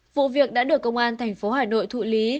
vụ việc đã được công an tp hà nội thụ lý